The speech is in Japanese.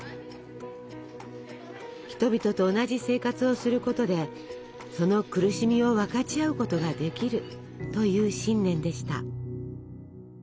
人々と同じ生活をすることでその苦しみを分かち合うことができるという信念でした。